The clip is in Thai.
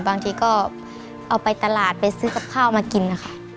บางทีก็เอาไปตลาดไปซื้อกับข้าวมากินนะคะ